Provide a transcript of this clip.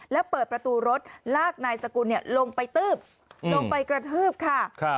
แล้วเปิดประตูรถลากนายสกุลลงไปตืบลงไปกระทืบค่ะ